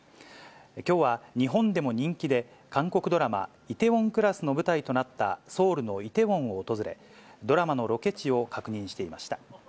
きょうは日本でも人気で、韓国ドラマ、梨泰院クラスの舞台となったソウルのイテウォンを訪れ、ドラマのロケ地を確認していました。